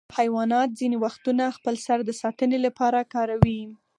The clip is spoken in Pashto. حیوانات ځینې وختونه خپل سر د ساتنې لپاره کاروي.